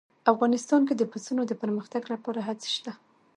افغانستان کې د پسونو د پرمختګ لپاره هڅې شته.